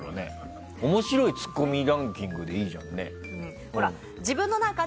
面白いツッコミランキングでいいのに。